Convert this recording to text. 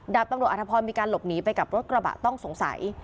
ดาบตำรวจอธพรมีการหลบหนีไปกับรถกระบะต้องสงสัย